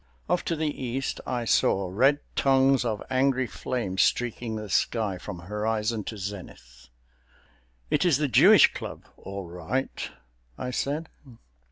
Off to the East I saw red tongues of angry flame streaking the sky from horizon to zenith. "It is the Jewish Club, all right," I said.